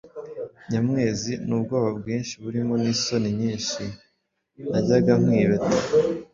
Nyamwezi: N’ubwoba bwinshi burimo n’isoni nyinshi Najyaga nkwibeta